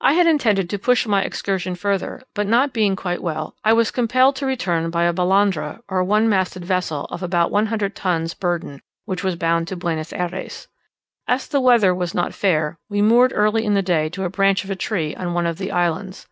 I had intended to push my excursion further, but not being quite well, I was compelled to return by a balandra, or one masted vessel of about a hundred tons' burden, which was bound to Buenos Ayres. As the weather was not fair, we moored early in the day to a branch of a tree on one of the islands.